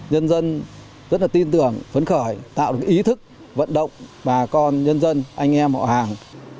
nhân dân rất là tin tưởng phấn khởi tạo được ý thức vận động bà con nhân dân anh em họ hàng